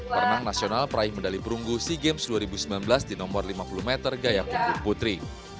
perenang nasional peraih medali perunggu sea games dua ribu sembilan belas di nomor lima puluh meter gaya punggung putri